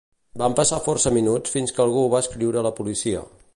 Van passar força minuts fins que algú va escriure a la policia.